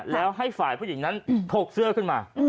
แล้วให้ฝ่ายผู้หญิงนั้นถกเสื้อขึ้นมา